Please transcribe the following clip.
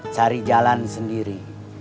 cari jalan sendiri